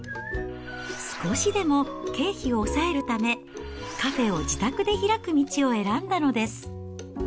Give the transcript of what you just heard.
少しでも経費を抑えるため、カフェを自宅で開く道を選んだのです。